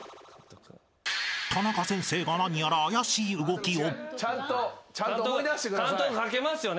［タナカ先生が何やら怪しい動きを］